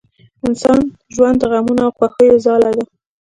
انسان ژوند د غمونو او خوښیو ځاله ده